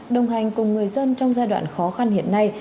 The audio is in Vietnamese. đồng hành cùng người dân trong giai đoạn khó khăn hiện nay